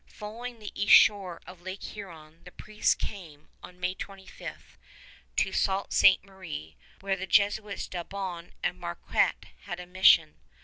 Following the east shore of Lake Huron, the priests came, on May 25, to Sault Ste. Marie, where the Jesuits Dablon and Marquette had a mission.